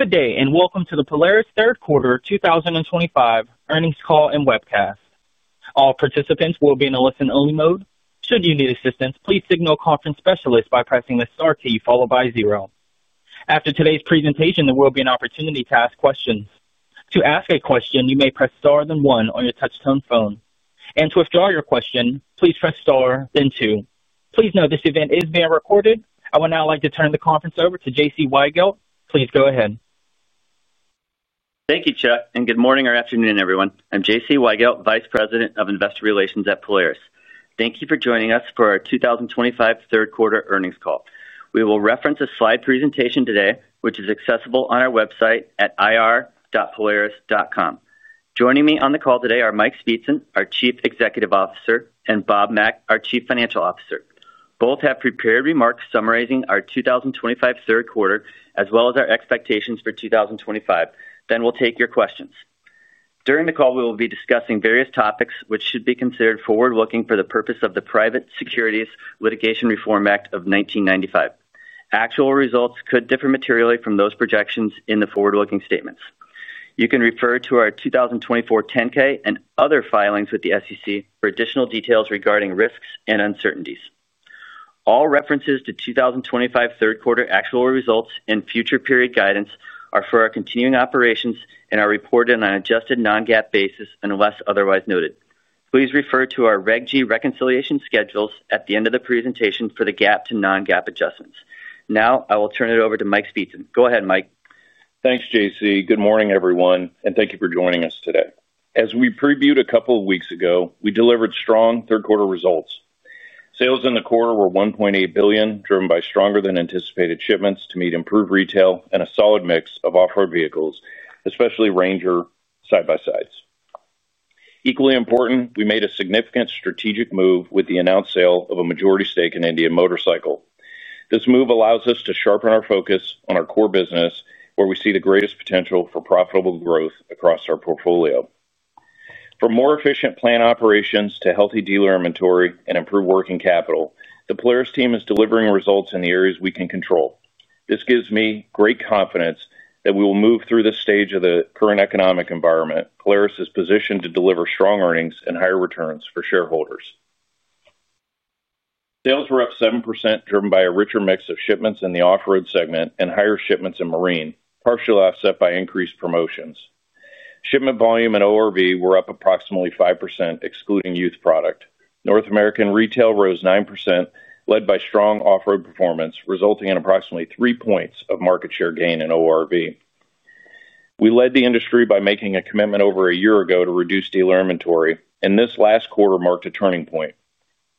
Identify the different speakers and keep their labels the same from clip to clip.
Speaker 1: Good day and welcome to the Polaris third quarter 2025 earnings call and webcast. All participants will be in a listen-only mode. Should you need assistance, please signal a conference specialist by pressing the star key followed by zero. After today's presentation, there will be an opportunity to ask questions. To ask a question, you may press star then one on your touch-tone phone. To withdraw your question, please press star then two. Please note this event is being recorded. I would now like to turn the conference over to J.C. Weigelt. Please go ahead.
Speaker 2: Thank you, Chuck, and good morning or afternoon, everyone. I'm J.C. Weigelt, Vice President of Investor Relations at Polaris. Thank you for joining us for our 2025 third quarter earnings call. We will reference a slide presentation today, which is accessible on our website at ir.polaris.com. Joining me on the call today are Mike Speetzen, our Chief Executive Officer, and Bob Mack, our Chief Financial Officer. Both have prepared remarks summarizing our 2025 third quarter as well as our expectations for 2025. We will take your questions. During the call, we will be discussing various topics which should be considered forward-looking for the purpose of the Private Securities Litigation Reform Act of 1995. Actual results could differ materially from those projections in the forward-looking statements. You can refer to our 2024 10-K and other filings with the SEC for additional details regarding risks and uncertainties. All references to 2025 third quarter actual results and future period guidance are for our continuing operations and are reported on an adjusted non-GAAP basis unless otherwise noted. Please refer to our Reg G reconciliation schedules at the end of the presentation for the GAAP to non-GAAP adjustments. Now, I will turn it over to Mike Speetzen. Go ahead, Mike.
Speaker 3: Thanks, J.C. Good morning, everyone, and thank you for joining us today. As we previewed a couple of weeks ago, we delivered strong third quarter results. Sales in the quarter were $1.8 billion, driven by stronger than anticipated shipments to meet improved retail and a solid mix of off-road vehicles, especially RANGER side-by-sides. Equally important, we made a significant strategic move with the announced sale of a majority stake in Indian Motorcycle. This move allows us to sharpen our focus on our core business, where we see the greatest potential for profitable growth across our portfolio. From more efficient planned operations to healthy dealer inventory and improved working capital, the Polaris team is delivering results in the areas we can control. This gives me great confidence that we will move through this stage of the current economic environment. Polaris is positioned to deliver strong earnings and higher returns for shareholders. Sales were up 7%, driven by a richer mix of shipments in the off-road segment and higher shipments in marine, partially offset by increased promotions. Shipment volume in ORV were up approximately 5%, excluding youth product. North American retail rose 9%, led by strong off-road performance, resulting in approximately 3 points of market share gain in ORV. We led the industry by making a commitment over a year ago to reduce dealer inventory, and this last quarter marked a turning point.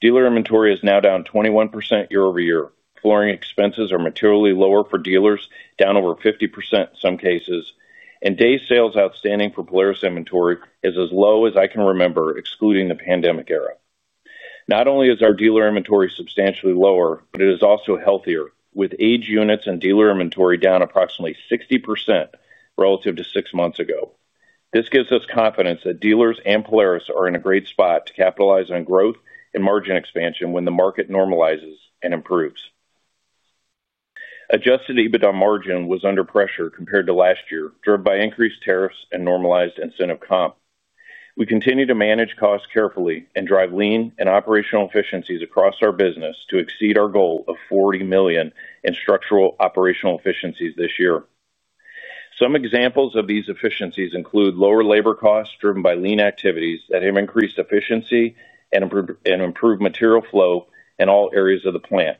Speaker 3: Dealer inventory is now down 21% year-over-year, flooring expenses are materially lower for dealers, down over 50% in some cases, and day sales outstanding for Polaris inventory is as low as I can remember, excluding the pandemic era. Not only is our dealer inventory substantially lower, but it is also healthier, with aged units in dealer inventory down approximately 60% relative to six months ago. This gives us confidence that dealers and Polaris are in a great spot to capitalize on growth and margin expansion when the market normalizes and improves. Adjusted EBITDA margin was under pressure compared to last year, driven by increased tariffs and normalized incentive compensation. We continue to manage costs carefully and drive lean and operational efficiencies across our business to exceed our goal of $40 million in structural operational efficiencies this year. Some examples of these efficiencies include lower labor costs driven by lean activities that have increased efficiency and improved material flow in all areas of the plant,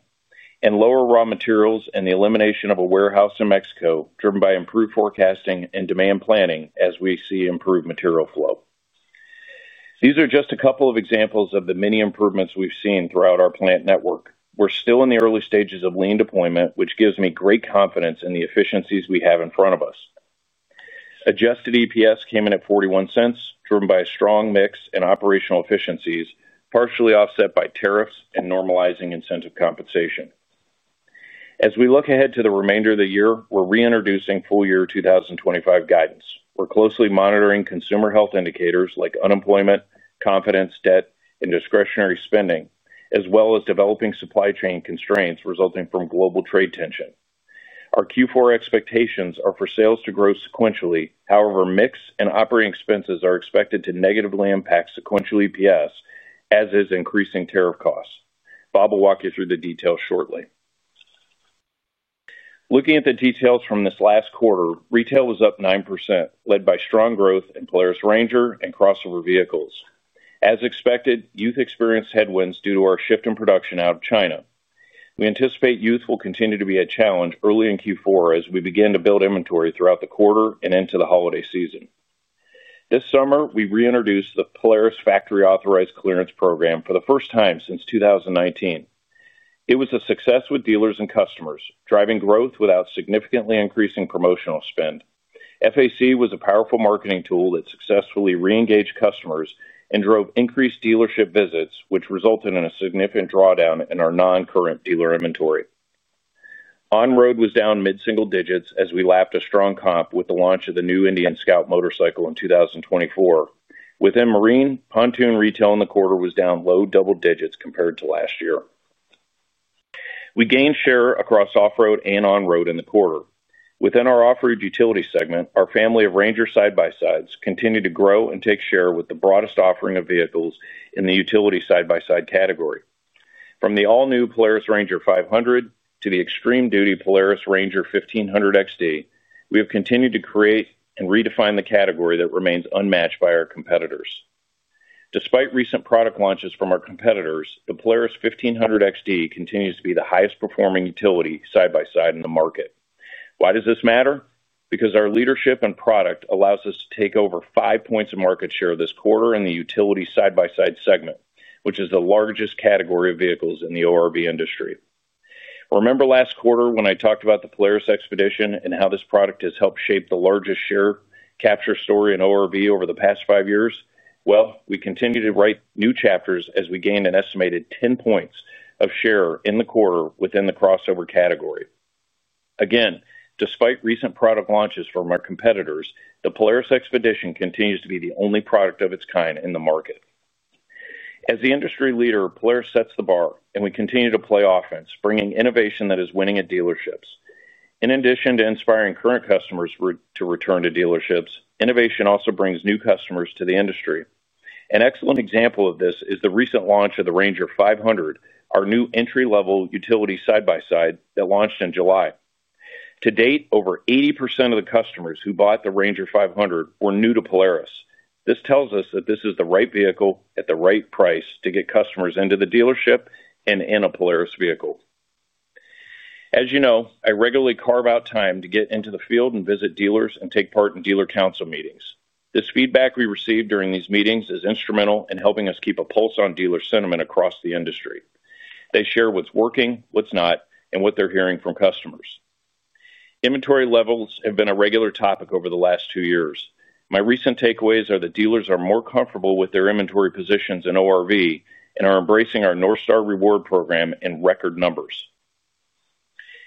Speaker 3: and lower raw materials and the elimination of a warehouse in Mexico, driven by improved forecasting and demand planning as we see improved material flow. These are just a couple of examples of the many improvements we've seen throughout our plant network. We're still in the early stages of lean deployment, which gives me great confidence in the efficiencies we have in front of us. Adjusted EPS came in at $0.41, driven by a strong mix and operational efficiencies, partially offset by tariffs and normalizing incentive compensation. As we look ahead to the remainder of the year, we're reintroducing full-year 2025 guidance. We're closely monitoring consumer health indicators like unemployment, confidence, debt, and discretionary spending, as well as developing supply chain constraints resulting from global trade tension. Our Q4 expectations are for sales to grow sequentially. However, mix and operating expenses are expected to negatively impact sequential EPS, as is increasing tariff costs. Bob will walk you through the details shortly. Looking at the details from this last quarter, retail was up 9%, led by strong growth in Polaris RANGER and crossover vehicles. As expected, youth experienced headwinds due to our shift in production out of China. We anticipate youth will continue to be a challenge early in Q4 as we begin to build inventory throughout the quarter and into the holiday season. This summer, we reintroduced the Polaris Factory Authorized Clearance program for the first time since 2019. It was a success with dealers and customers, driving growth without significantly increasing promotional spend. FAC was a powerful marketing tool that successfully re-engaged customers and drove increased dealership visits, which resulted in a significant drawdown in our non-current dealer inventory. On-road was down mid-single digits as we lapped a strong comp with the launch of the new Indian Scout Motorcycle in 2024. Within marine, pontoon retail in the quarter was down low double digits compared to last year. We gained share across off-road and on-road in the quarter. Within our off-road utility segment, our family of RANGER side-by-sides continued to grow and take share with the broadest offering of vehicles in the utility side-by-side category. From the all-new Polaris RANGER 500 to the extreme duty Polaris RANGER 1500 XD, we have continued to create and redefine the category that remains unmatched by our competitors. Despite recent product launches from our competitors, the Polaris 1500 XD continues to be the highest performing utility side-by-side in the market. Why does this matter? Because our leadership and product allow us to take over 5 points of market share this quarter in the utility side-by-side segment, which is the largest category of vehicles in the ORV industry. Remember last quarter when I talked about the Polaris XPEDITION and how this product has helped shape the largest share capture story in ORV over the past five years? We continue to write new chapters as we gained an estimated 10 points of share in the quarter within the crossover category. Despite recent product launches from our competitors, the Polaris XPEDITION continues to be the only product of its kind in the market. As the industry leader, Polaris sets the bar, and we continue to play offense, bringing innovation that is winning at dealerships. In addition to inspiring current customers to return to dealerships, innovation also brings new customers to the industry. An excellent example of this is the recent launch of the RANGER 500, our new entry-level utility side-by-side that launched in July. To date, over 80% of the customers who bought the RANGER 500 were new to Polaris. This tells us that this is the right vehicle at the right price to get customers into the dealership and in a Polaris vehicle. As you know, I regularly carve out time to get into the field and visit dealers and take part in dealer council meetings. The feedback we receive during these meetings is instrumental in helping us keep a pulse on dealer sentiment across the industry. They share what's working, what's not, and what they're hearing from customers. Inventory levels have been a regular topic over the last two years. My recent takeaways are that dealers are more comfortable with their inventory positions in ORV and are embracing our North Star Reward Program in record numbers.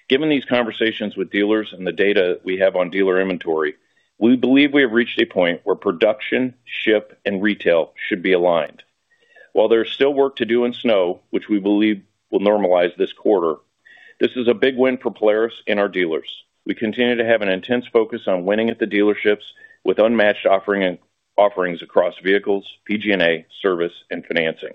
Speaker 3: Given these conversations with dealers and the data we have on dealer inventory, we believe we have reached a point where production, ship, and retail should be aligned. While there is still work to do in snow, which we believe will normalize this quarter, this is a big win for Polaris and our dealers. We continue to have an intense focus on winning at the dealerships with unmatched offerings across vehicles, PG&A, service, and financing.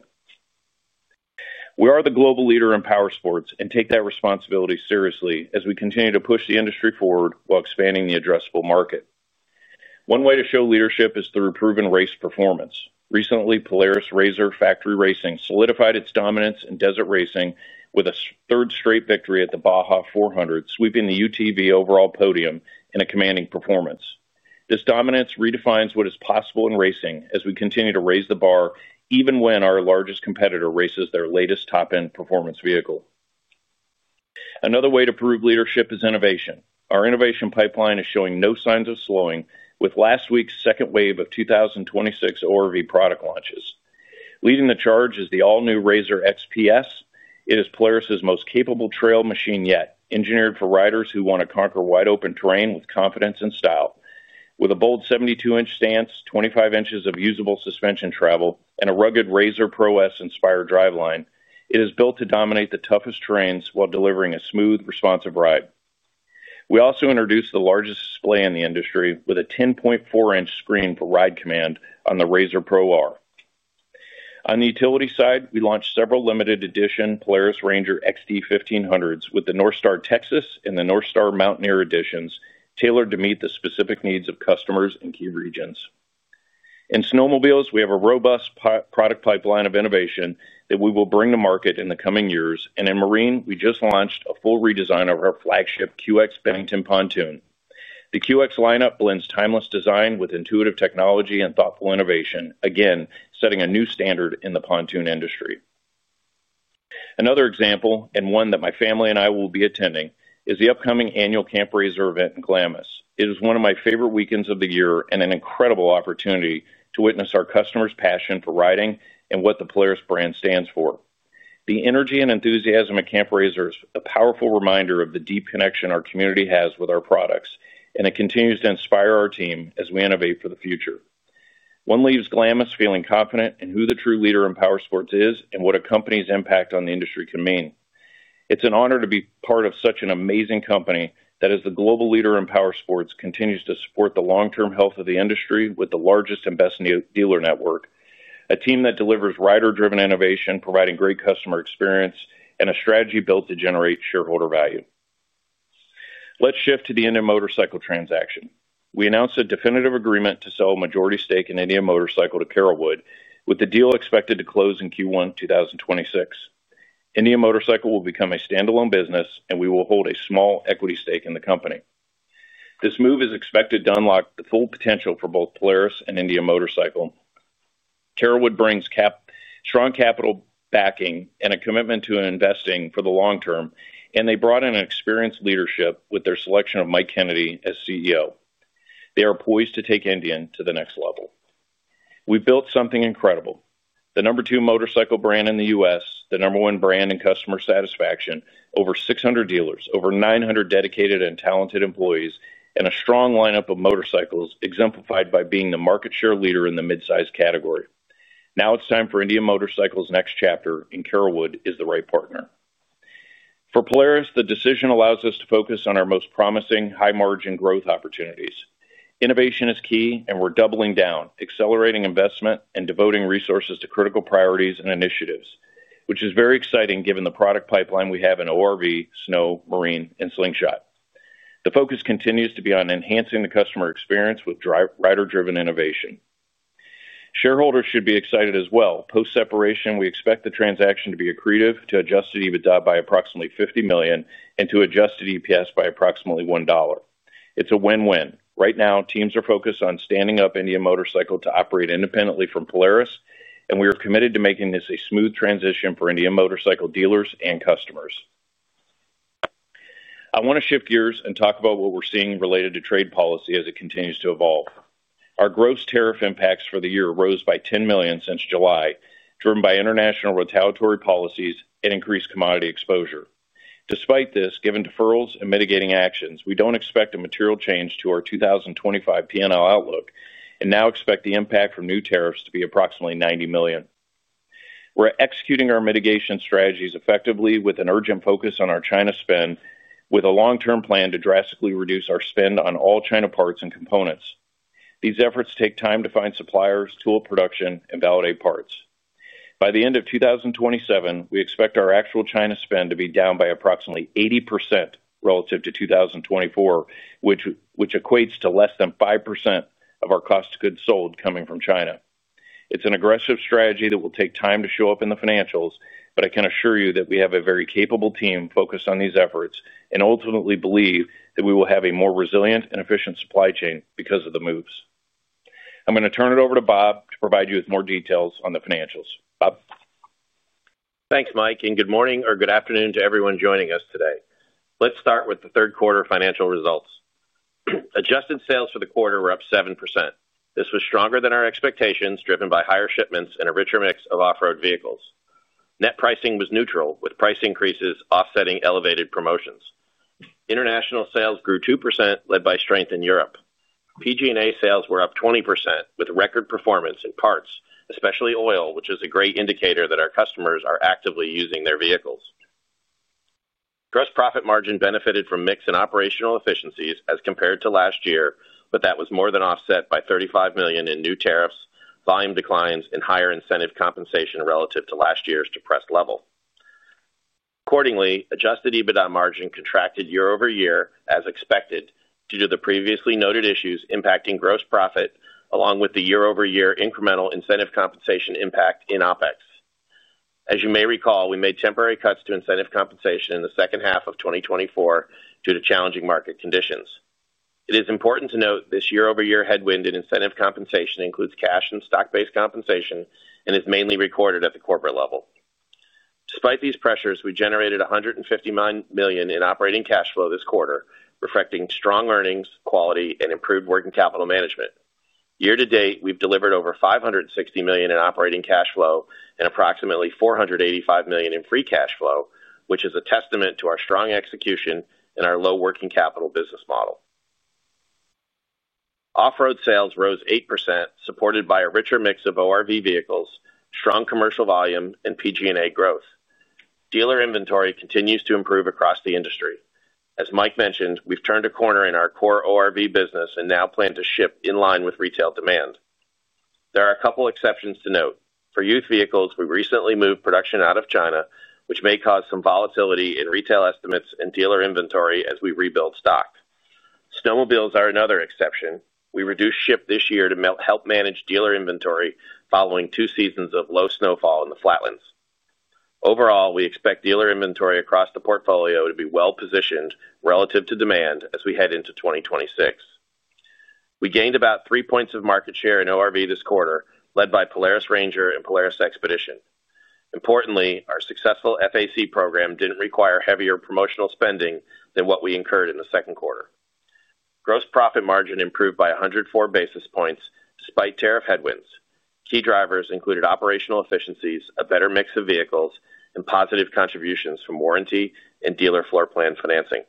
Speaker 3: We are the global leader in powersports and take that responsibility seriously as we continue to push the industry forward while expanding the addressable market. One way to show leadership is through proven race performance. Recently, Polaris RZR Factory Racing solidified its dominance in desert racing with a third straight victory at the Baja 400, sweeping the UTV overall podium in a commanding performance. This dominance redefines what is possible in racing as we continue to raise the bar even when our largest competitor races their latest top-end performance vehicle. Another way to prove leadership is innovation. Our innovation pipeline is showing no signs of slowing with last week's second wave of 2026 ORV product launches. Leading the charge is the all-new RZR XPS. It is Polaris's most capable trail machine yet, engineered for riders who want to conquer wide-open terrain with confidence and style. With a bold 72 in stance, 25 inches of usable suspension travel, and a rugged RZR Pro S Inspire driveline, it is built to dominate the toughest terrains while delivering a smooth, responsive ride. We also introduced the largest display in the industry with a 10.4 in screen for RIDE COMMAND on the RZR Pro R. On the utility side, we launched several limited-edition Polaris RANGER XD 1500s with the NorthStar Texas and the NorthStar Mountaineer Editions tailored to meet the specific needs of customers in key regions. In snowmobiles, we have a robust product pipeline of innovation that we will bring to market in the coming years, and in marine, we just launched a full redesign of our flagship QX Bennington pontoon. The QX lineup blends timeless design with intuitive technology and thoughtful innovation, again setting a new standard in the pontoon industry. Another example, and one that my family and I will be attending, is the upcoming annual Camp RZR event in Glamis. It is one of my favorite weekends of the year and an incredible opportunity to witness our customers' passion for riding and what the Polaris brand stands for. The energy and enthusiasm at Camp RZR is a powerful reminder of the deep connection our community has with our products, and it continues to inspire our team as we innovate for the future. One leaves Glamis feeling confident in who the true leader in powersports is and what a company's impact on the industry can mean. It's an honor to be part of such an amazing company that is the global leader in powersports, continues to support the long-term health of the industry with the largest and best dealer network. A team that delivers rider-driven innovation, providing great customer experience, and a strategy built to generate shareholder value. Let's shift to the Indian Motorcycle transaction. We announced a definitive agreement to sell a majority stake in Indian Motorcycle to Carolwood, with the deal expected to close in Q1 2026. Indian Motorcycle will become a standalone business, and we will hold a small equity stake in the company. This move is expected to unlock the full potential for both Polaris and Indian Motorcycle. Carolwood brings strong capital backing and a commitment to investing for the long term, and they brought in experienced leadership with their selection of Mike Kennedy as CEO. They are poised to take Indian to the next level. We've built something incredible: the number two motorcycle brand in the U.S., the number one brand in customer satisfaction, over 600 dealers, over 900 dedicated and talented employees, and a strong lineup of motorcycles, exemplified by being the market share leader in the midsize category. Now it's time for Indian Motorcycle's next chapter, and Carolwood is the right partner. For Polaris, the decision allows us to focus on our most promising high-margin growth opportunities. Innovation is key, and we're doubling down, accelerating investment, and devoting resources to critical priorities and initiatives, which is very exciting given the product pipeline we have in ORV, Snow, Marine, and Slingshot. The focus continues to be on enhancing the customer experience with rider-driven innovation. Shareholders should be excited as well. Post-separation, we expect the transaction to be accretive to adjusted EBITDA by approximately $50 million and to adjusted EPS by approximately $1. It's a win-win. Right now, teams are focused on standing up Indian Motorcycle to operate independently from Polaris, and we are committed to making this a smooth transition for Indian Motorcycle dealers and customers. I want to shift gears and talk about what we're seeing related to trade policy as it continues to evolve. Our gross tariff impacts for the year rose by $10 million since July, driven by international retaliatory policies and increased commodity exposure. Despite this, given deferrals and mitigating actions, we don't expect a material change to our 2025 P&L outlook and now expect the impact from new tariffs to be approximately $90 million. We're executing our mitigation strategies effectively with an urgent focus on our China spend, with a long-term plan to drastically reduce our spend on all China parts and components. These efforts take time to find suppliers, tool production, and validate parts. By the end of 2027, we expect our actual China spend to be down by approximately 80% relative to 2024, which equates to less than 5% of our cost of goods sold coming from China. It's an aggressive strategy that will take time to show up in the financials, but I can assure you that we have a very capable team focused on these efforts and ultimately believe that we will have a more resilient and efficient supply chain because of the moves. I'm going to turn it over to Bob to provide you with more details on the financials. Bob.
Speaker 4: Thanks, Mike, and good morning or good afternoon to everyone joining us today. Let's start with the third quarter financial results. Adjusted sales for the quarter were up 7%. This was stronger than our expectations, driven by higher shipments and a richer mix of off-road vehicles. Net pricing was neutral, with price increases offsetting elevated promotions. International sales grew 2%, led by strength in Europe. PG&A sales were up 20%, with record performance in parts, especially oil, which is a great indicator that our customers are actively using their vehicles. Gross profit margin benefited from mix and operational efficiencies as compared to last year, but that was more than offset by $35 million in new tariffs, volume declines, and higher incentive compensation relative to last year's depressed level. Accordingly, adjusted EBITDA margin contracted year-over-year as expected due to the previously noted issues impacting gross profit, along with the year-over-year incremental incentive compensation impact in OpEx. As you may recall, we made temporary cuts to incentive compensation in the second half of 2024 due to challenging market conditions. It is important to note this year-over-year headwind in incentive compensation includes cash and stock-based compensation and is mainly recorded at the corporate level. Despite these pressures, we generated $159 million in operating cash flow this quarter, reflecting strong earnings, quality, and improved working capital management. Year to date, we've delivered over $560 million in operating cash flow and approximately $485 million in free cash flow, which is a testament to our strong execution and our low working capital business model. Off-road sales rose 8%, supported by a richer mix of ORV vehicles, strong commercial volume, and PG&A growth. Dealer inventory continues to improve across the industry. As Mike mentioned, we've turned a corner in our core ORV business and now plan to ship in line with retail demand. There are a couple of exceptions to note. For youth vehicles, we recently moved production out of China, which may cause some volatility in retail estimates and dealer inventory as we rebuild stock. Snowmobiles are another exception. We reduced ship this year to help manage dealer inventory following two seasons of low snowfall in the flatlands. Overall, we expect dealer inventory across the portfolio to be well positioned relative to demand as we head into 2026. We gained about 3 points of market share in ORV this quarter, led by Polaris RANGER and Polaris XPEDITION. Importantly, our successful FAC program didn't require heavier promotional spending than what we incurred in the second quarter. Gross profit margin improved by 104 basis points despite tariff headwinds. Key drivers included operational efficiencies, a better mix of vehicles, and positive contributions from warranty and dealer floor plan financing.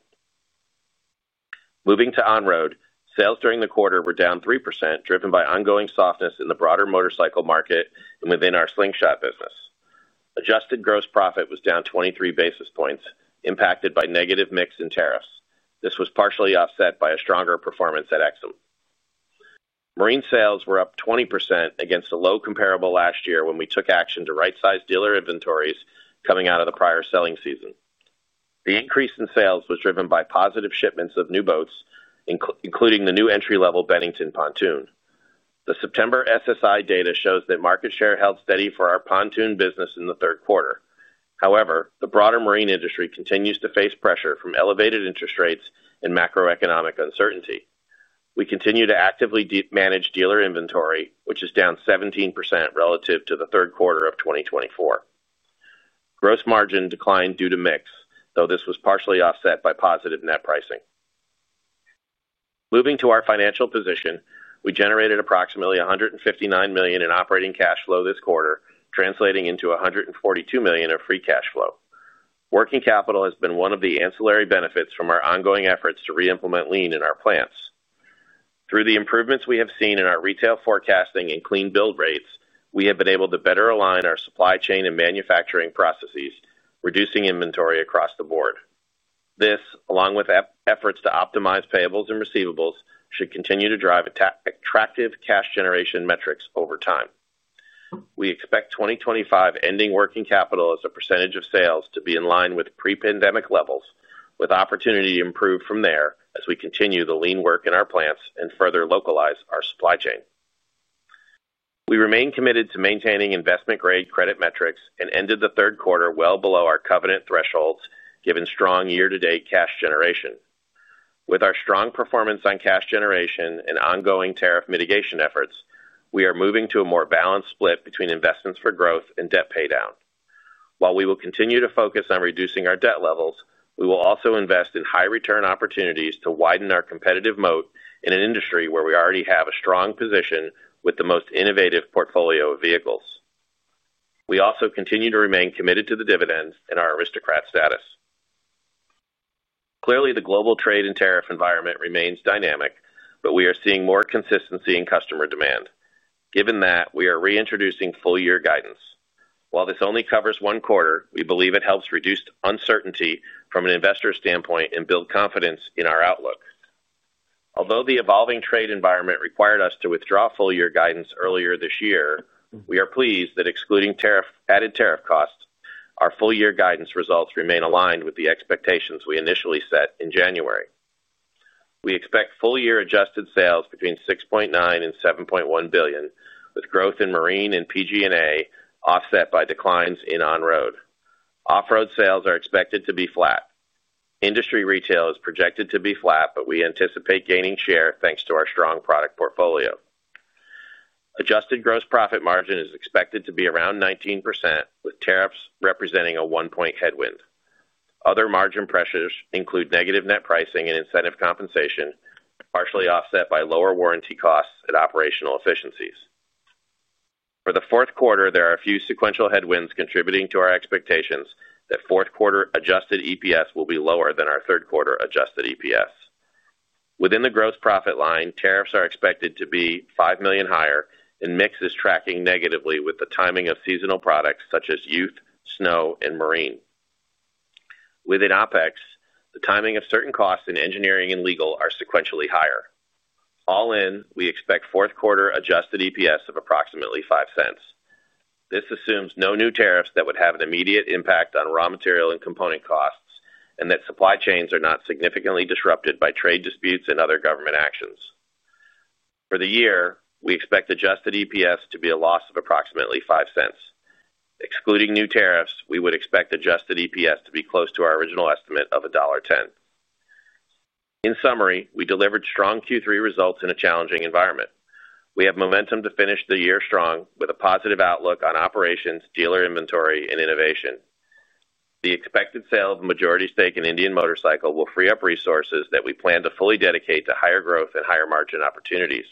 Speaker 4: Moving to on-road, sales during the quarter were down 3%, driven by ongoing softness in the broader motorcycle market and within our Slingshot business. Adjusted gross profit was down 23 basis points, impacted by negative mix and tariffs. This was partially offset by a stronger performance at Indian Motorcycle. Marine sales were up 20% against a low comparable last year when we took action to right-size dealer inventories coming out of the prior selling season. The increase in sales was driven by positive shipments of new boats, including the new entry-level Bennington pontoon. The September SSI data shows that market share held steady for our pontoon business in the third quarter. However, the broader marine industry continues to face pressure from elevated interest rates and macroeconomic uncertainty. We continue to actively manage dealer inventory, which is down 17% relative to the third quarter of 2024. Gross margin declined due to mix, though this was partially offset by positive net pricing. Moving to our financial position, we generated approximately $159 million in operating cash flow this quarter, translating into $142 million of free cash flow. Working capital has been one of the ancillary benefits from our ongoing efforts to re-implement lean in our plants. Through the improvements we have seen in our retail forecasting and clean build rates, we have been able to better align our supply chain and manufacturing processes, reducing inventory across the board. This, along with efforts to optimize payables and receivables, should continue to drive attractive cash generation metrics over time. We expect 2025 ending working capital as a percentage of sales to be in line with pre-pandemic levels, with opportunity to improve from there as we continue the lean work in our plants and further localize our supply chain. We remain committed to maintaining investment-grade credit metrics and ended the third quarter well below our covenant thresholds, given strong year-to-date cash generation. With our strong performance on cash generation and ongoing tariff mitigation efforts, we are moving to a more balanced split between investments for growth and debt paydown. While we will continue to focus on reducing our debt levels, we will also invest in high-return opportunities to widen our competitive moat in an industry where we already have a strong position with the most innovative portfolio of vehicles. We also continue to remain committed to the dividends and our aristocrat status. Clearly, the global trade and tariff environment remains dynamic, but we are seeing more consistency in customer demand. Given that, we are reintroducing full-year guidance. While this only covers one quarter, we believe it helps reduce uncertainty from an investor's standpoint and build confidence in our outlook. Although the evolving trade environment required us to withdraw full-year guidance earlier this year, we are pleased that excluding added tariff costs, our full-year guidance results remain aligned with the expectations we initially set in January. We expect full-year adjusted sales between $6.9 billion and $7.1 billion, with growth in marine and PG&A offset by declines in on-road. Off-road sales are expected to be flat. Industry retail is projected to be flat, but we anticipate gaining share thanks to our strong product portfolio. Adjusted gross profit margin is expected to be around 19%, with tariffs representing a one-point headwind. Other margin pressures include negative net pricing and incentive compensation, partially offset by lower warranty costs and operational efficiencies. For the fourth quarter, there are a few sequential headwinds contributing to our expectations that fourth quarter adjusted EPS will be lower than our third quarter adjusted EPS. Within the gross profit line, tariffs are expected to be $5 million higher, and mix is tracking negatively with the timing of seasonal products such as youth, snow, and marine. Within OpEx, the timing of certain costs in engineering and legal are sequentially higher. All in, we expect fourth quarter adjusted EPS of approximately $0.05. This assumes no new tariffs that would have an immediate impact on raw material and component costs, and that supply chains are not significantly disrupted by trade disputes and other government actions. For the year, we expect adjusted EPS to be a loss of approximately $0.05. Excluding new tariffs, we would expect adjusted EPS to be close to our original estimate of $1.10. In summary, we delivered strong Q3 results in a challenging environment. We have momentum to finish the year strong with a positive outlook on operations, dealer inventory, and innovation. The expected sale of a majority stake in Indian Motorcycle will free up resources that we plan to fully dedicate to higher growth and higher margin opportunities.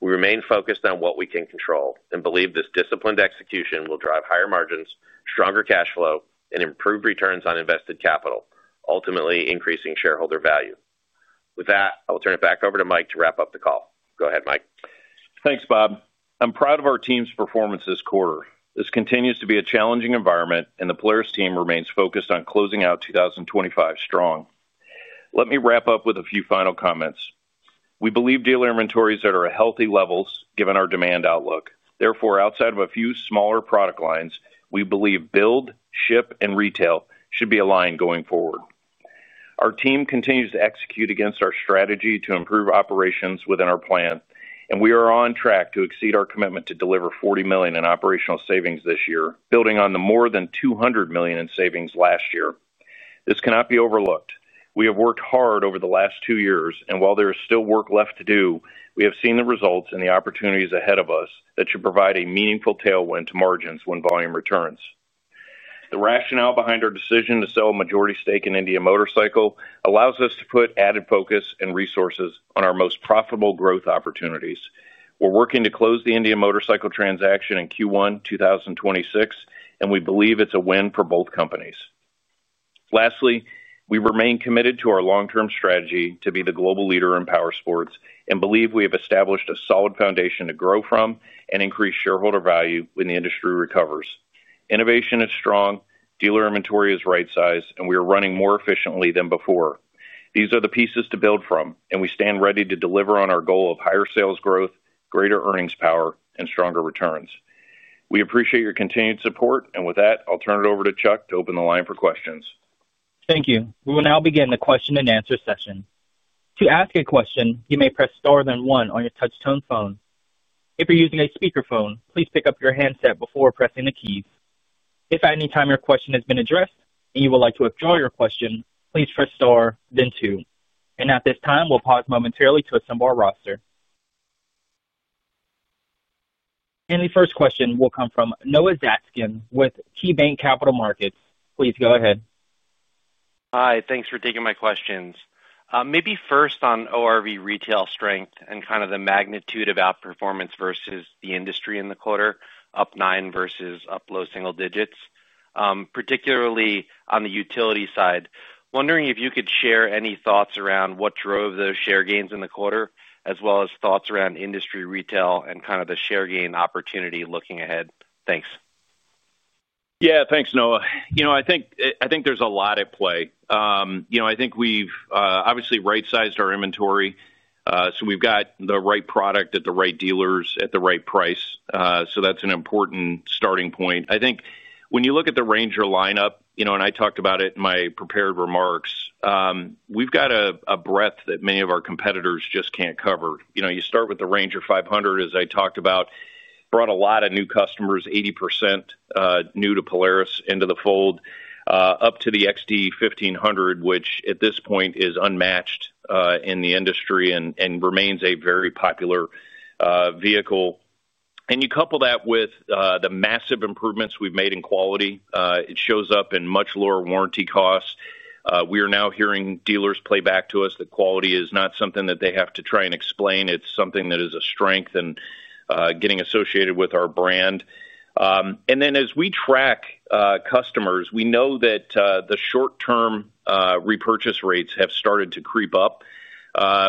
Speaker 4: We remain focused on what we can control and believe this disciplined execution will drive higher margins, stronger cash flow, and improved returns on invested capital, ultimately increasing shareholder value. With that, I will turn it back over to Mike to wrap up the call. Go ahead, Mike.
Speaker 3: Thanks, Bob. I'm proud of our team's performance this quarter. This continues to be a challenging environment, and the Polaris team remains focused on closing out 2025 strong. Let me wrap up with a few final comments. We believe dealer inventories are at healthy levels given our demand outlook. Therefore, outside of a few smaller product lines, we believe build, ship, and retail should be aligned going forward. Our team continues to execute against our strategy to improve operations within our plan, and we are on track to exceed our commitment to deliver $40 million in operational savings this year, building on the more than $200 million in savings last year. This cannot be overlooked. We have worked hard over the last two years, and while there is still work left to do, we have seen the results and the opportunities ahead of us that should provide a meaningful tailwind to margins when volume returns. The rationale behind our decision to sell a majority stake in Indian Motorcycle allows us to put added focus and resources on our most profitable growth opportunities. We're working to close the Indian Motorcycle transaction in Q1 2026, and we believe it's a win for both companies. Lastly, we remain committed to our long-term strategy to be the global leader in power sports and believe we have established a solid foundation to grow from and increase shareholder value when the industry recovers. Innovation is strong, dealer inventory is right-sized, and we are running more efficiently than before. These are the pieces to build from, and we stand ready to deliver on our goal of higher sales growth, greater earnings power, and stronger returns. We appreciate your continued support, and with that, I'll turn it over to Chuck to open the line for questions.
Speaker 1: Thank you. We will now begin the question and answer session. To ask a question, you may press star then one on your touch-tone phone. If you're using a speaker phone, please pick up your handset before pressing the keys. If at any time your question has been addressed and you would like to withdraw your question, please press star then two. At this time, we'll pause momentarily to assemble our roster. The first question will come from Noah Zatzkin with KeyBanc Capital Markets. Please go ahead.
Speaker 5: Hi, thanks for taking my questions. Maybe first on ORV retail strength and kind of the magnitude of outperformance versus the industry in the quarter, up 9% versus up low single digits, particularly on the utility side. Wondering if you could share any thoughts around what drove those share gains in the quarter, as well as thoughts around industry retail and kind of the share gain opportunity looking ahead. Thanks.
Speaker 3: Yeah, thanks, Noah. I think there's a lot at play. I think we've obviously right-sized our inventory, so we've got the right product at the right dealers at the right price. That's an important starting point. I think when you look at the RANGER lineup, and I talked about it in my prepared remarks, we've got a breadth that many of our competitors just can't cover. You start with the RANGER 500, as I talked about, brought a lot of new customers, 80% new to Polaris, into the fold, up to the XD 1500, which at this point is unmatched in the industry and remains a very popular vehicle. You couple that with the massive improvements we've made in quality. It shows up in much lower warranty costs. We are now hearing dealers play back to us that quality is not something that they have to try and explain. It's something that is a strength and getting associated with our brand. As we track customers, we know that the short-term repurchase rates have started to creep up,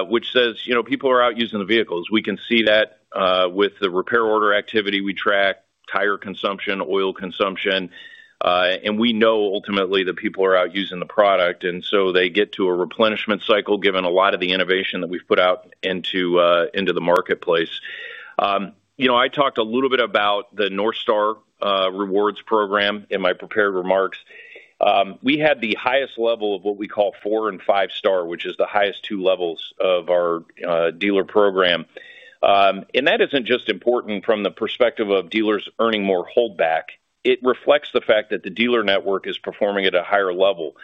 Speaker 3: which says people are out using the vehicles. We can see that with the repair order activity we track, tire consumption, oil consumption, and we know ultimately that people are out using the product. They get to a replenishment cycle, given a lot of the innovation that we've put out into the marketplace. I talked a little bit about the North Star Rewards Program in my prepared remarks. We had the highest level of what we call four and five star, which is the highest two levels of our dealer program. That isn't just important from the perspective of dealers earning more holdback. It reflects the fact that the dealer network is performing at a higher level.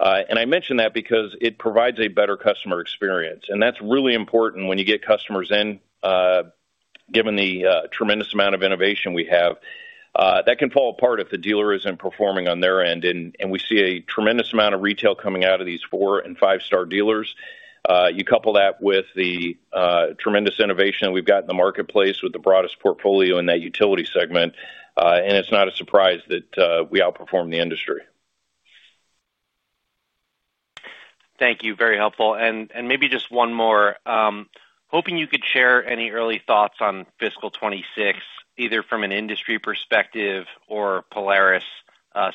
Speaker 3: I mention that because it provides a better customer experience. That's really important when you get customers in, given the tremendous amount of innovation we have. That can fall apart if the dealer isn't performing on their end. We see a tremendous amount of retail coming out of these four and five-star dealers. You couple that with the tremendous innovation that we've got in the marketplace with the broadest portfolio in that utility segment. It's not a surprise that we outperform the industry.
Speaker 5: Thank you, very helpful. Maybe just one more, hoping you could share any early thoughts on fiscal 2026, either from an industry perspective or Polaris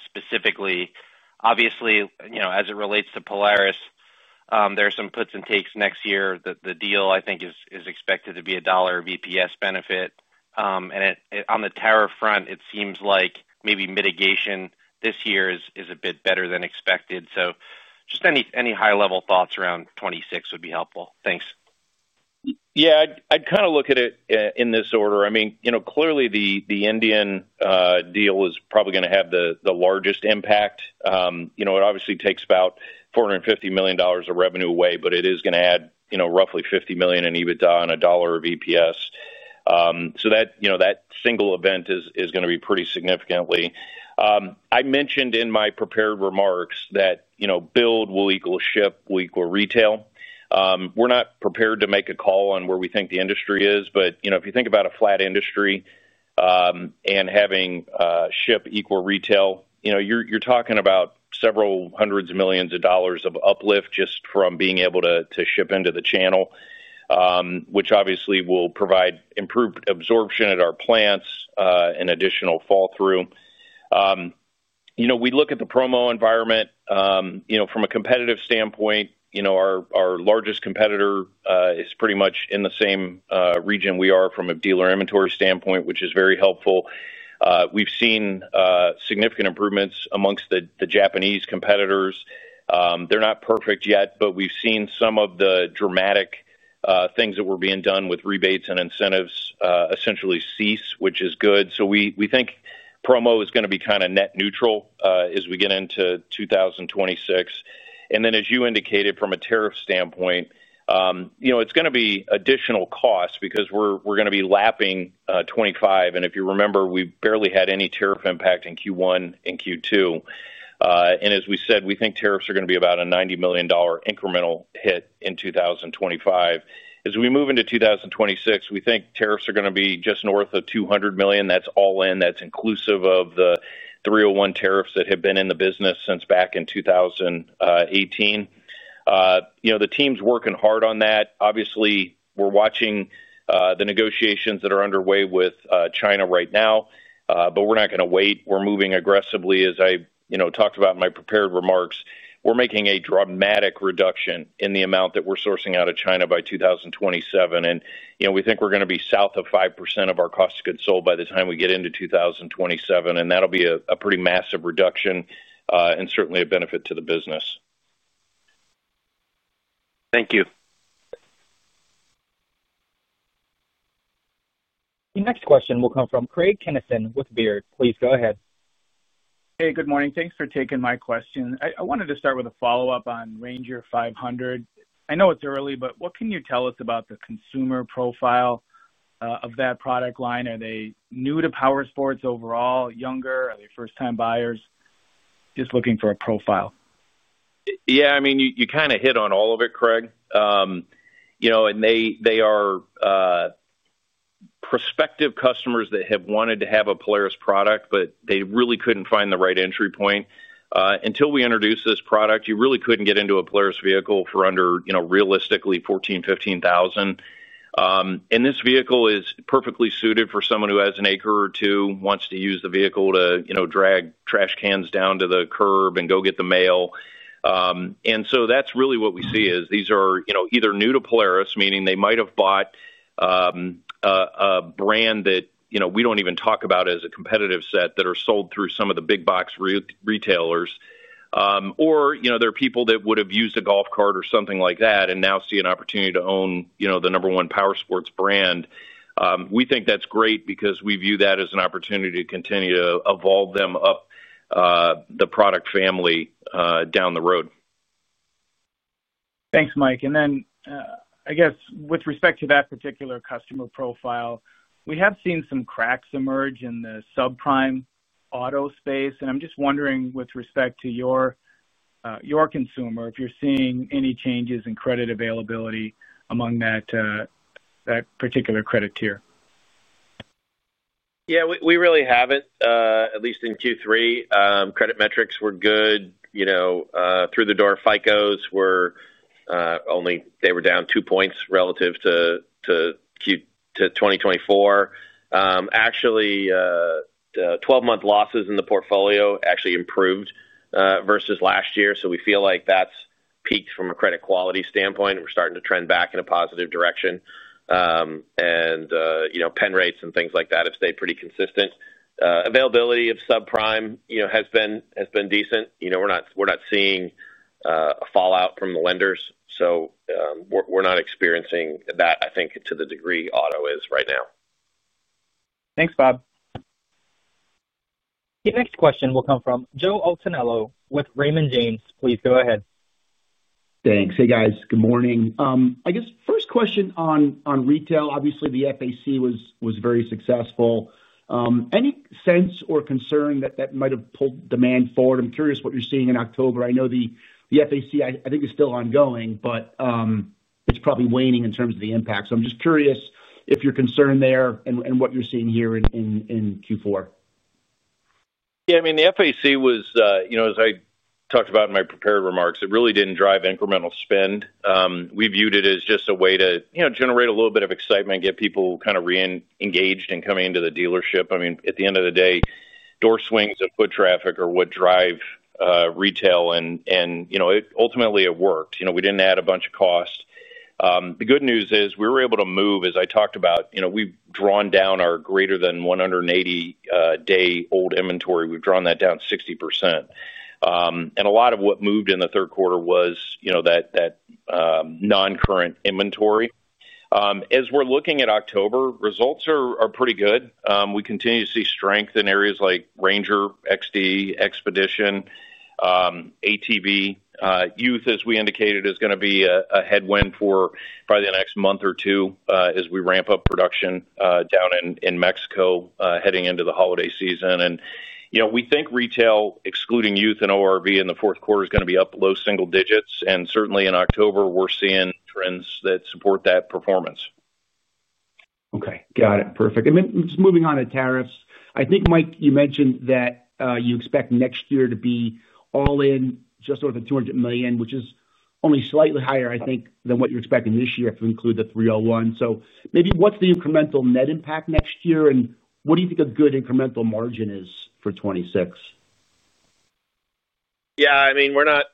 Speaker 5: specifically. Obviously, you know, as it relates to Polaris, there are some puts and takes next year. The deal, I think, is expected to be a dollar of EPS benefit. On the tariff front, it seems like maybe mitigation this year is a bit better than expected. Just any high-level thoughts around 2026 would be helpful. Thanks.
Speaker 3: Yeah, I'd kind of look at it in this order. I mean, you know, clearly the Indian Motorcycle deal is probably going to have the largest impact. You know, it obviously takes about $450 million of revenue away, but it is going to add, you know, roughly $50 million in EBITDA and a dollar of EPS. That single event is going to be pretty significant. I mentioned in my prepared remarks that build will equal ship will equal retail. We're not prepared to make a call on where we think the industry is, but if you think about a flat industry and having ship equal retail, you're talking about several hundreds of millions of dollars of uplift just from being able to ship into the channel, which obviously will provide improved absorption at our plants and additional fall through. We look at the promo environment from a competitive standpoint. Our largest competitor is pretty much in the same region we are from a dealer inventory standpoint, which is very helpful. We've seen significant improvements amongst the Japanese competitors. They're not perfect yet, but we've seen some of the dramatic things that were being done with rebates and incentives essentially cease, which is good. We think promo is going to be kind of net neutral as we get into 2026. As you indicated, from a tariff standpoint, it's going to be additional costs because we're going to be lapping 2025. If you remember, we barely had any tariff impact in Q1 and Q2. As we said, we think tariffs are going to be about a $90 million incremental hit in 2025. As we move into 2026, we think tariffs are going to be just north of $200 million. That's all in, that's inclusive of the 301 tariffs that have been in the business since back in 2018. The team's working hard on that. Obviously, we're watching the negotiations that are underway with China right now, but we're not going to wait. We're moving aggressively, as I talked about in my prepared remarks. We're making a dramatic reduction in the amount that we're sourcing out of China by 2027. We think we're going to be south of 5% of our cost of goods sold by the time we get into 2027. That'll be a pretty massive reduction and certainly a benefit to the business.
Speaker 5: Thank you.
Speaker 1: The next question will come from Craig Kennison with Baird. Please go ahead.
Speaker 6: Hey, good morning. Thanks for taking my question. I wanted to start with a follow-up on RANGER 500. I know it's early, but what can you tell us about the consumer profile of that product line? Are they new to power sports overall, younger? Are they first-time buyers? Just looking for a profile.
Speaker 3: Yeah, I mean, you kind of hit on all of it, Craig. They are prospective customers that have wanted to have a Polaris product, but they really couldn't find the right entry point. Until we introduced this product, you really couldn't get into a Polaris vehicle for under, you know, realistically $14,000, $15,000. This vehicle is perfectly suited for someone who has an acre or two, wants to use the vehicle to, you know, drag trash cans down to the curb and go get the mail. That's really what we see is these are, you know, either new to Polaris, meaning they might have bought a brand that, you know, we don't even talk about as a competitive set that are sold through some of the big box retailers. There are people that would have used a golf cart or something like that and now see an opportunity to own, you know, the number one powersports brand. We think that's great because we view that as an opportunity to continue to evolve them up the product family down the road.
Speaker 6: Thanks, Mike. With respect to that particular customer profile, we have seen some cracks emerge in the subprime auto space. I'm just wondering with respect to your consumer if you're seeing any changes in credit availability among that particular credit tier.
Speaker 4: Yeah, we really haven't, at least in Q3. Credit metrics were good, you know, through the door. FICOs were only, they were down 2 points relative to 2024. Actually, 12-month losses in the portfolio actually improved versus last year. We feel like that's peaked from a credit quality standpoint. We're starting to trend back in a positive direction. You know, pen rates and things like that have stayed pretty consistent. Availability of subprime, you know, has been decent. We're not seeing a fallout from the lenders. We're not experiencing that, I think, to the degree auto is right now.
Speaker 6: Thanks, Bob.
Speaker 1: The next question will come from Joe Altobello with Raymond James. Please go ahead.
Speaker 7: Thanks. Hey guys, good morning. I guess first question on retail. Obviously, the FAC was very successful. Any sense or concern that that might have pulled demand forward? I'm curious what you're seeing in October. I know the FAC, I think, is still ongoing, but it's probably waning in terms of the impact. I'm just curious if you're concerned there and what you're seeing here in Q4.
Speaker 3: Yeah, I mean, the FAC was, as I talked about in my prepared remarks, it really didn't drive incremental spend. We viewed it as just a way to generate a little bit of excitement, get people kind of re-engaged in coming into the dealership. At the end of the day, door swings and foot traffic are what drive retail. Ultimately, it worked. We didn't add a bunch of cost. The good news is we were able to move, as I talked about, we've drawn down our greater than 180-day old inventory. We've drawn that down 60%. A lot of what moved in the third quarter was that non-current inventory. As we're looking at October, results are pretty good. We continue to see strength in areas like RANGER XD, XPEDITION, ATV. Youth, as we indicated, is going to be a headwind for probably the next month or two as we ramp up production down in Mexico heading into the holiday season. We think retail, excluding youth and ORV in the fourth quarter, is going to be up low single digits. Certainly in October, we're seeing trends that support that performance.
Speaker 7: Okay, got it. Perfect. Moving on to tariffs, I think, Mike, you mentioned that you expect next year to be all in just over the $200 million, which is only slightly higher, I think, than what you're expecting this year if you include the $301 million. What is the incremental net impact next year and what do you think a good incremental margin is for 2026?
Speaker 4: Yeah, I mean, we're not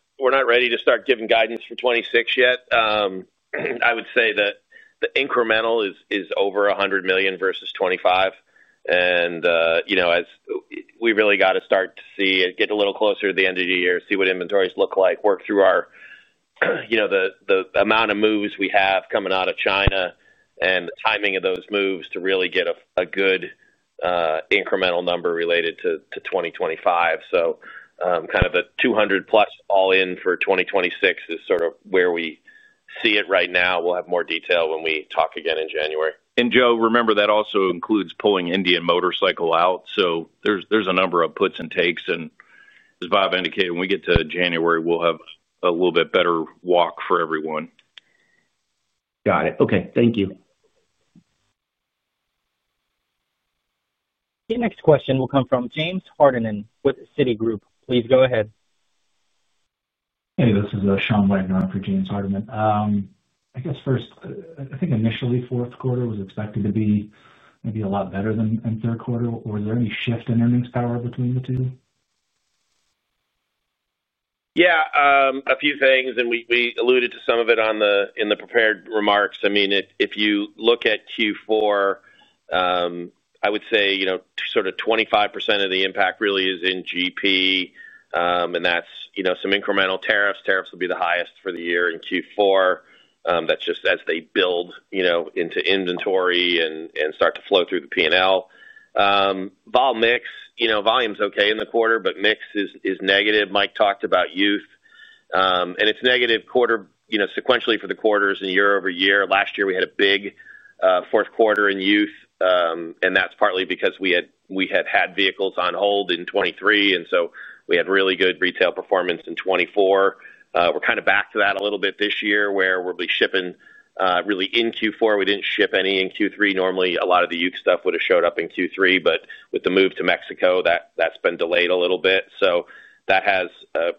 Speaker 4: ready to start giving guidance for 2026 yet. I would say that the incremental is over $100 million versus 2025. You know, we really got to start to see it get a little closer to the end of the year, see what inventories look like, work through the amount of moves we have coming out of China and the timing of those moves to really get a good incremental number related to 2025. Kind of a $200 million plus all in for 2026 is sort of where we see it right now. We'll have more detail when we talk again in January.
Speaker 3: Joe, remember that also includes pulling Indian Motorcycle out. There's a number of puts and takes. As Bob indicated, when we get to January, we'll have a little bit better walk for everyone.
Speaker 7: Got it. Okay, thank you.
Speaker 1: The next question will come from James Hardiman with Citigroup. Please go ahead.
Speaker 8: Hey, this is Sean Wagner for James Hardiman. I guess first, I think initially fourth quarter was expected to be maybe a lot better than third quarter. Was there any shift in earnings power between the two?
Speaker 4: Yeah, a few things, and we alluded to some of it in the prepared remarks. I mean, if you look at Q4, I would say, you know, sort of 25% of the impact really is in GP. That's, you know, some incremental tariffs. Tariffs will be the highest for the year in Q4. That's just as they build into inventory and start to flow through the P&L. Vol mix, you know, volume's okay in the quarter, but mix is negative. Mike talked about youth. It's negative quarter, you know, sequentially for the quarters and year-over-year. Last year, we had a big fourth quarter in youth. That's partly because we had had vehicles on hold in 2023. We had really good retail performance in 2024. We're kind of back to that a little bit this year where we'll be shipping really in Q4. We didn't ship any in Q3. Normally, a lot of the youth stuff would have showed up in Q3, but with the move to Mexico, that's been delayed a little bit. That has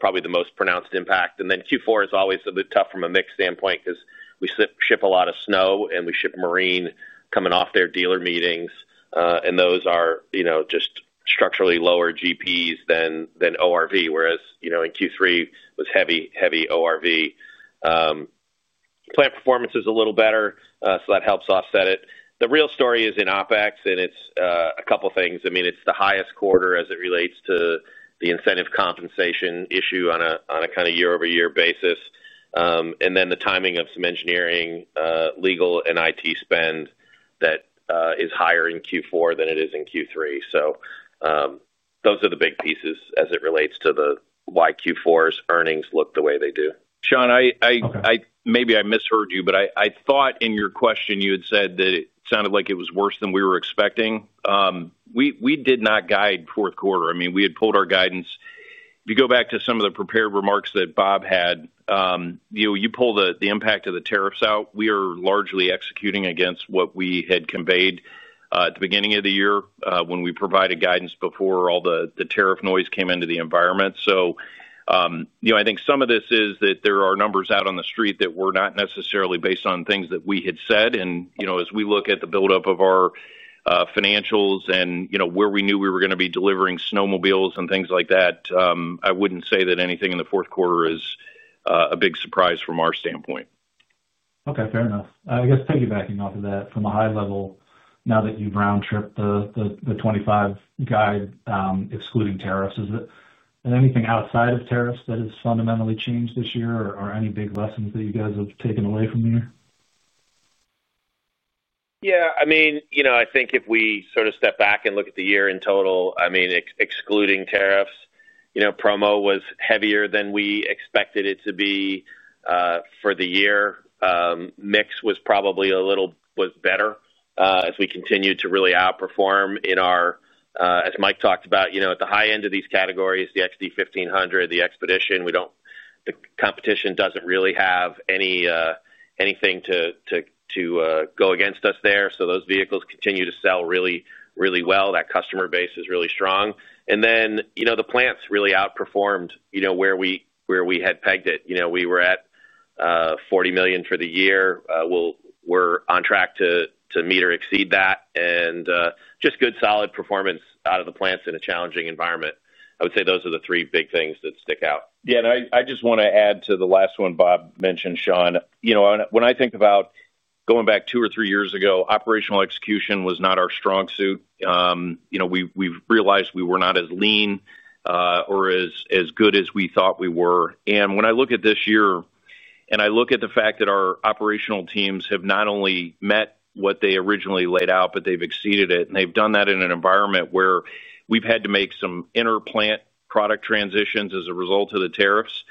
Speaker 4: probably the most pronounced impact. Q4 is always a bit tough from a mix standpoint because we ship a lot of snow and we ship marine coming off their dealer meetings. Those are just structurally lower GPs than ORV, whereas in Q3 it was heavy, heavy ORV. Plant performance is a little better, so that helps offset it. The real story is in OpEx, and it's a couple of things. It's the highest quarter as it relates to the incentive compensation issue on a kind of year-over-year basis. The timing of some engineering, legal, and IT spend is higher in Q4 than it is in Q3. Those are the big pieces as it relates to why Q4's earnings look the way they do.
Speaker 3: Sean, maybe I misheard you, but I thought in your question you had said that it sounded like it was worse than we were expecting. We did not guide fourth quarter. We had pulled our guidance. If you go back to some of the prepared remarks that Bob had, you pulled the impact of the tariffs out. We are largely executing against what we had conveyed at the beginning of the year when we provided guidance before all the tariff noise came into the environment. I think some of this is that there are numbers out on the street that were not necessarily based on things that we had said. As we look at the buildup of our financials and where we knew we were going to be delivering snowmobiles and things like that, I wouldn't say that anything in the fourth quarter is a big surprise from our standpoint.
Speaker 8: Okay, fair enough. I guess piggybacking off of that from a high level, now that you've round-tripped the 2025 guide, excluding tariffs, is there anything outside of tariffs that has fundamentally changed this year, or any big lessons that you guys have taken away from the year?
Speaker 4: Yeah, I mean, you know, I think if we sort of step back and look at the year in total, excluding tariffs, promo was heavier than we expected it to be for the year. Mix was probably a little better as we continued to really outperform in our, as Mike talked about, at the high end of these categories, the XD 1500, the XPEDITION, we don't, the competition doesn't really have anything to go against us there. Those vehicles continue to sell really, really well. That customer base is really strong. The plants really outperformed where we had pegged it. We were at $40 million for the year. We're on track to meet or exceed that and just good solid performance out of the plants in a challenging environment. I would say those are the three big things that stick out.
Speaker 3: I just want to add to the last one Bob mentioned, Sean. When I think about going back two or three years ago, operational execution was not our strong suit. We've realized we were not as lean or as good as we thought we were. When I look at this year, and I look at the fact that our operational teams have not only met what they originally laid out, but they've exceeded it. They've done that in an environment where we've had to make some inner plant product transitions as a result of the tariffs,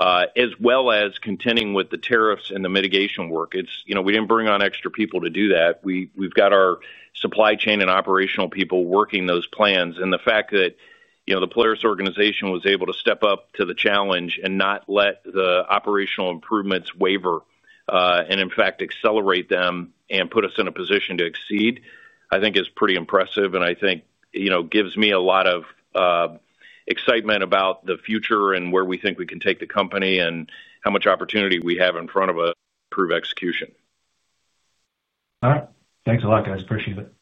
Speaker 3: as well as contending with the tariffs and the mitigation work. We didn't bring on extra people to do that. We've got our supply chain and operational people working those plans. The fact that the Polaris organization was able to step up to the challenge and not let the operational improvements waver and in fact accelerate them and put us in a position to exceed, I think is pretty impressive. I think it gives me a lot of excitement about the future and where we think we can take the company and how much opportunity we have in front of us to improve execution.
Speaker 8: All right. Thanks a lot, guys. Appreciate it.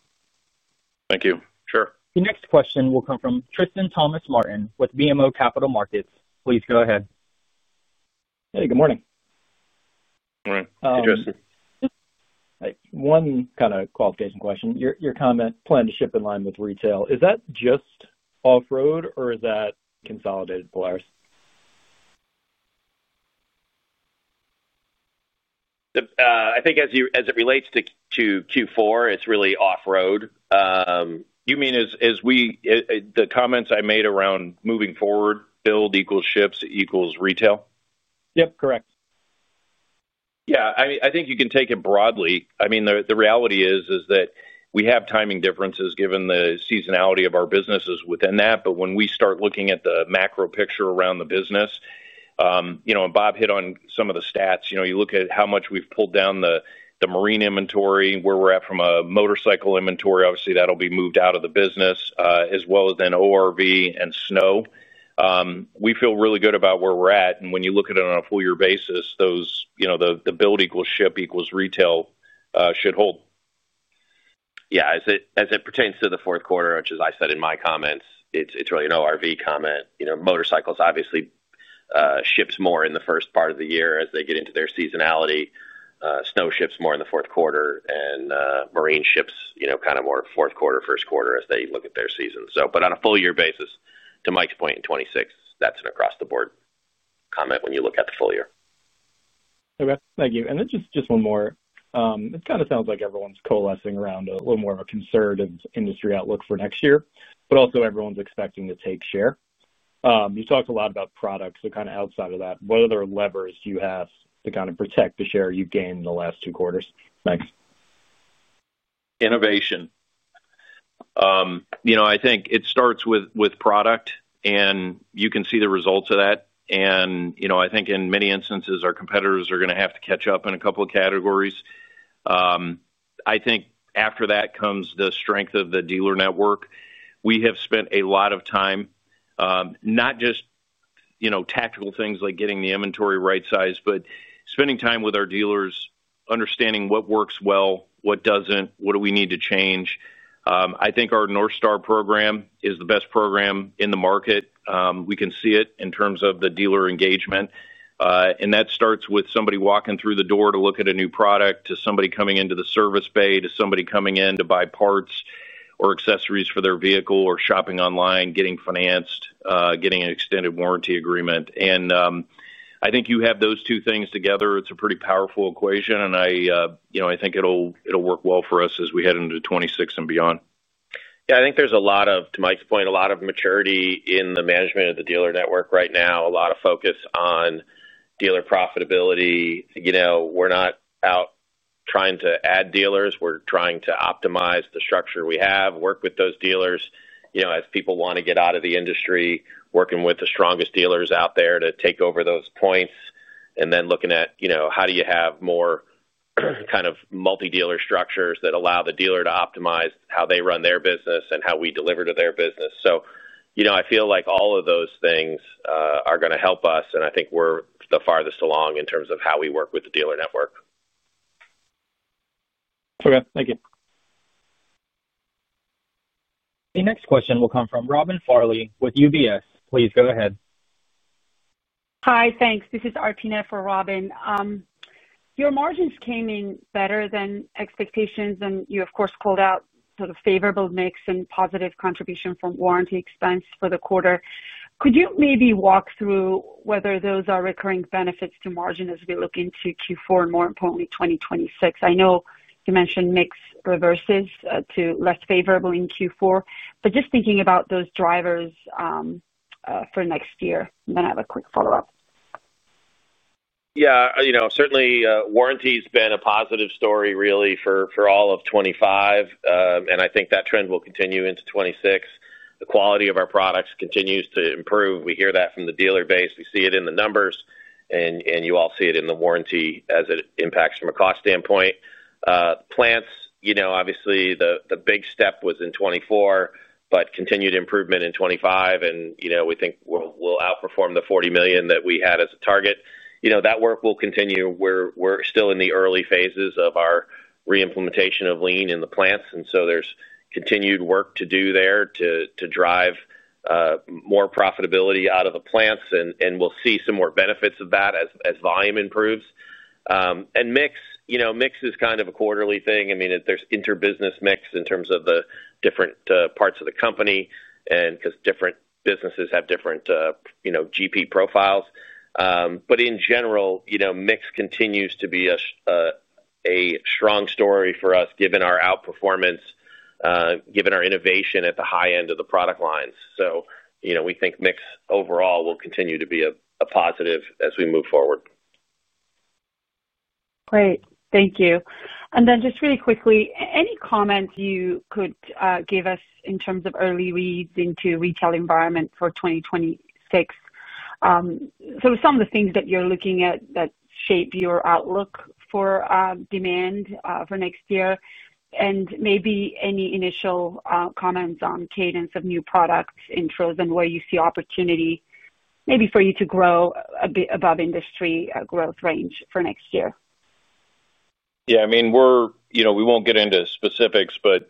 Speaker 3: Thank you. Sure.
Speaker 1: The next question will come from Tristan Thomas-Martin with BMO Capital Markets. Please go ahead.
Speaker 9: Hey, good morning.
Speaker 3: All right. Hey, Tristan.
Speaker 9: One kind of qualification question. Your comment, plan to ship in line with retail, is that just off-road or is that consolidated Polaris?
Speaker 3: I think as it relates to Q4, it's really off-road. You mean as we, the comments I made around moving forward, build equals ships equals retail?
Speaker 9: Yep, correct.
Speaker 3: Yeah, I think you can take it broadly. I mean, the reality is that we have timing differences given the seasonality of our businesses within that. When we start looking at the macro picture around the business, you know, and Bob hit on some of the stats, you know, you look at how much we've pulled down the marine inventory, where we're at from a motorcycle inventory, obviously that'll be moved out of the business, as well as then ORV and snow. We feel really good about where we're at. When you look at it on a full-year basis, those, you know, the build equals ship equals retail should hold.
Speaker 4: Yeah, as it pertains to the fourth quarter, which as I said in my comments, it's really an ORV comment. You know, motorcycles obviously ship more in the first part of the year as they get into their seasonality. Snow ships more in the fourth quarter and marine ships, you know, kind of more fourth quarter, first quarter as they look at their season. On a full-year basis, to Mike's point in 2026, that's an across-the-board comment when you look at the full year.
Speaker 9: Okay, thank you. Just one more. It kind of sounds like everyone's coalescing around a little more of a conservative industry outlook for next year, but also everyone's expecting to take share. You talked a lot about products. Kind of outside of that, what other levers do you have to kind of protect the share you've gained in the last two quarters? Thanks.
Speaker 3: Innovation. I think it starts with product and you can see the results of that. In many instances, our competitors are going to have to catch up in a couple of categories. After that comes the strength of the dealer network. We have spent a lot of time, not just tactical things like getting the inventory right-sized, but spending time with our dealers, understanding what works well, what doesn't, what we need to change. I think our North Star program is the best program in the market. We can see it in terms of the dealer engagement. That starts with somebody walking through the door to look at a new product, to somebody coming into the service bay, to somebody coming in to buy parts or accessories for their vehicle or shopping online, getting financed, getting an extended warranty agreement. I think you have those two things together. It's a pretty powerful equation. I think it'll work well for us as we head into 2026 and beyond.
Speaker 4: Yeah, I think there's a lot of, to Mike's point, a lot of maturity in the management of the dealer network right now. There's a lot of focus on dealer profitability. We're not out trying to add dealers. We're trying to optimize the structure we have, work with those dealers as people want to get out of the industry, working with the strongest dealers out there to take over those points. Looking at how you have more kind of multi-dealer structures that allow the dealer to optimize how they run their business and how we deliver to their business. I feel like all of those things are going to help us. I think we're the farthest along in terms of how we work with the dealer network.
Speaker 9: Okay, thank you.
Speaker 1: The next question will come from Robin Farley with UBS. Please go ahead. Hi, thanks. This is [Artina] for Robin. Your margins came in better than expectations, and you, of course, called out sort of favorable mix and positive contribution from warranty expense for the quarter. Could you maybe walk through whether those are recurring benefits to margin as we look into Q4 and, more importantly, 2026? I know you mentioned mix reverses to less favorable in Q4, but just thinking about those drivers for next year. I have a quick follow-up.
Speaker 3: Yeah, you know, certainly warranty has been a positive story really for all of 2025. I think that trend will continue into 2026. The quality of our products continues to improve. We hear that from the dealer base. We see it in the numbers, and you all see it in the warranty as it impacts from a cost standpoint. Plants, you know, obviously the big step was in 2024, but continued improvement in 2025. We think we'll outperform the $40 million that we had as a target. That work will continue. We're still in the early phases of our reimplementation of lean manufacturing in the plants. There is continued work to do there to drive more profitability out of the plants. We'll see some more benefits of that as volume improves. Mix is kind of a quarterly thing. I mean, there's inter-business mix in terms of the different parts of the company because different businesses have different, you know, GP profiles. In general, mix continues to be a strong story for us given our outperformance, given our innovation at the high end of the product lines. We think mix overall will continue to be a positive as we move forward. Great, thank you. Any comments you could give us in terms of early reads into the retail environment for 2026? Some of the things that you're looking at that shape your outlook for demand for next year, and maybe any initial comments on cadence of new product intros and where you see opportunity maybe for you to grow a bit above industry growth range for next year. Yeah, I mean, we won't get into specifics, but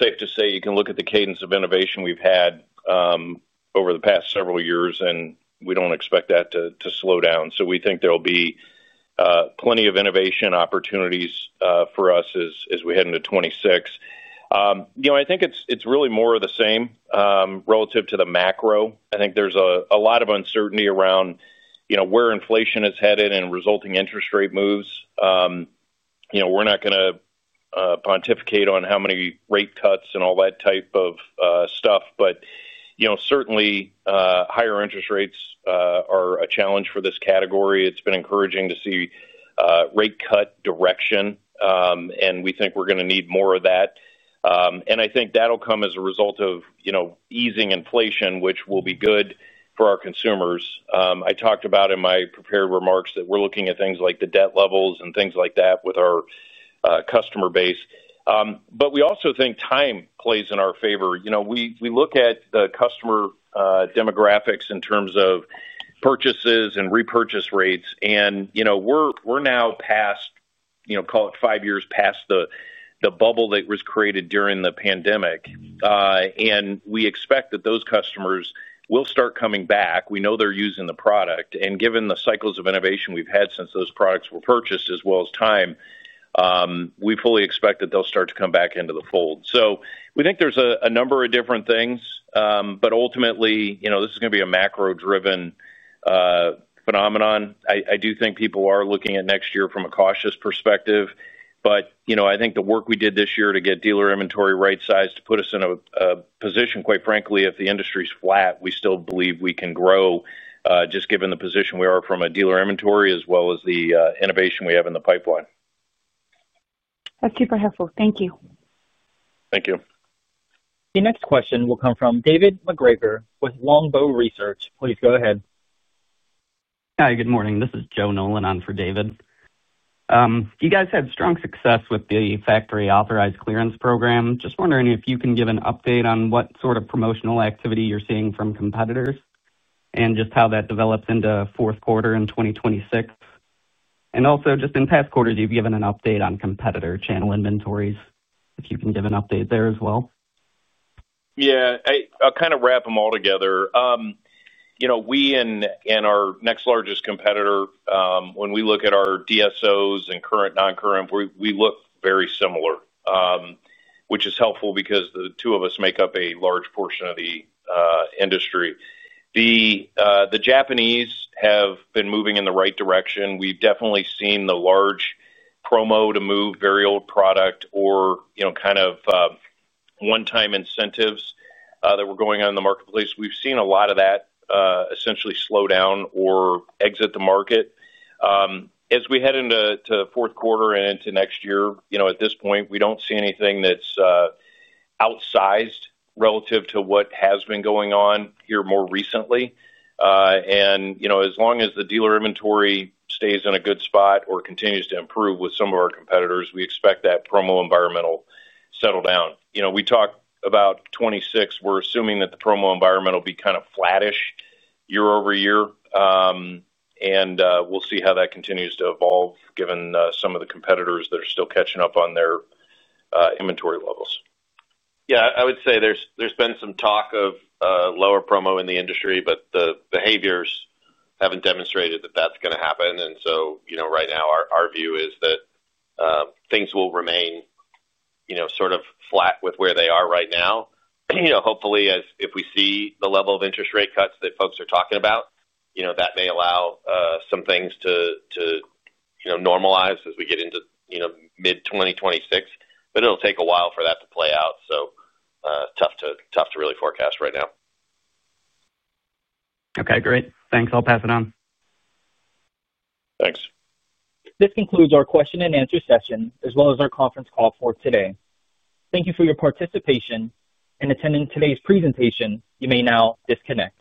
Speaker 3: safe to say you can look at the cadence of innovation we've had over the past several years, and we don't expect that to slow down. We think there'll be plenty of innovation opportunities for us as we head into 2026. I think it's really more of the same relative to the macro. I think there's a lot of uncertainty around where inflation is headed and resulting interest rate moves. We're not going to pontificate on how many rate cuts and all that type of stuff, but certainly higher interest rates are a challenge for this category. It's been encouraging to see rate cut direction, and we think we're going to need more of that. I think that'll come as a result of easing inflation, which will be good for our consumers. I talked about in my prepared remarks that we're looking at things like the debt levels and things like that with our customer base. We also think time plays in our favor. We look at the customer demographics in terms of purchases and repurchase rates, and we're now past, call it five years past the bubble that was created during the pandemic. We expect that those customers will start coming back. We know they're using the product. Given the cycles of innovation we've had since those products were purchased, as well as time, we fully expect that they'll start to come back into the fold. We think there's a number of different things, but ultimately, this is going to be a macro-driven phenomenon. I do think people are looking at next year from a cautious perspective, but I think the work we did this year to get dealer inventory right-sized puts us in a position, quite frankly, if the industry's flat, we still believe we can grow just given the position we are from a dealer inventory, as well as the innovation we have in the pipeline. That's super helpful. Thank you. Thank you.
Speaker 1: The next question will come from David MacGregor with Longbow Research. Please go ahead.
Speaker 10: Hi, good morning. This is Joe Nolan on for David. You guys had strong success with the Factory Authorized Clearance program. Just wondering if you can give an update on what sort of promotional activity you're seeing from competitors and just how that develops into the fourth quarter in 2026. Also, just in past quarters, you've given an update on competitor channel inventories, if you can give an update there as well.
Speaker 3: Yeah, I'll kind of wrap them all together. We and our next largest competitor, when we look at our DSOs and current non-current, we look very similar, which is helpful because the two of us make up a large portion of the industry. The Japanese have been moving in the right direction. We've definitely seen the large promo to move very old product or, you know, kind of one-time incentives that were going on in the marketplace. We've seen a lot of that essentially slow down or exit the market. As we head into the fourth quarter and into next year, at this point, we don't see anything that's outsized relative to what has been going on here more recently. As long as the dealer inventory stays in a good spot or continues to improve with some of our competitors, we expect that promo environment to settle down. We talk about 2026. We're assuming that the promo environment will be kind of flattish year-over-year. We'll see how that continues to evolve given some of the competitors that are still catching up on their inventory levels.
Speaker 4: I would say there's been some talk of lower promo in the industry, but the behaviors haven't demonstrated that that's going to happen. Right now our view is that things will remain sort of flat with where they are right now. Hopefully, if we see the level of interest rate cuts that folks are talking about, that may allow some things to normalize as we get into mid-2026. It'll take a while for that to play out. Tough to really forecast right now.
Speaker 10: Okay, great. Thanks. I'll pass it on.
Speaker 3: Thanks.
Speaker 1: This concludes our question-and-answer session, as well as our conference call for today. Thank you for your participation in attending today's presentation. You may now disconnect.